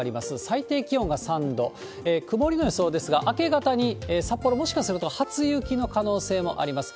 最低気温が３度、曇りの予想ですが、明け方に札幌、もしかすると初雪の可能性もあります。